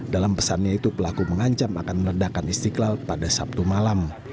dalam pesannya itu pelaku mengancam akan meledakan istiqlal pada sabtu malam